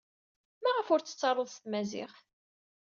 Maɣef ur t-tettarud s tmaziɣt?